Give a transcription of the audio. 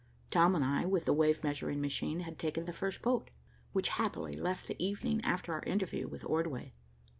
Tom and I, with the wave measuring machine, had taken the first boat, which happily left the evening after our interview with Ordway.